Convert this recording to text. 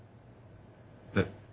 えっ。